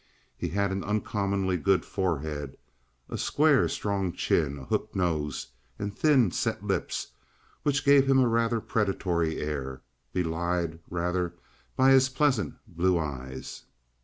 He had an uncommonly good forehead, a square, strong chin, a hooked nose and thin, set lips, which gave him a rather predatory air, belied rather by his pleasant blue eyes.